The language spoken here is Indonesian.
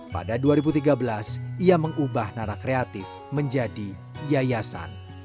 pada dua ribu tiga belas ia mengubah narak kreatif menjadi yayasan